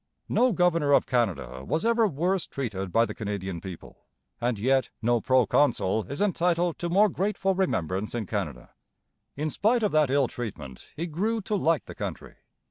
No governor of Canada was ever worse treated by the Canadian people; and yet no proconsul is entitled to more grateful remembrance in Canada. In spite of that ill treatment he grew to like the country.